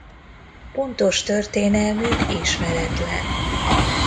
Pontos történelmük ismeretlen.